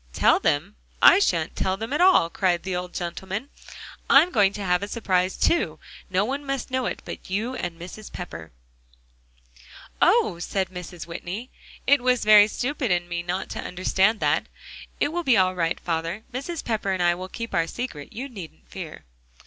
"Tell them? I shan't tell them at all," cried the old gentleman; "I'm going to have a surprise, too. No one must know it but you and Mrs. Pepper." "Oh!" said Mrs. Whitney. "It was very stupid in me not to understand that. It will be all right, father; Mrs. Pepper and I will keep our secret, you needn't fear."